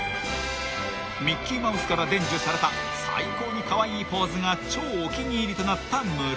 ［ミッキーマウスから伝授された最高にカワイイポーズが超お気に入りとなったムロ］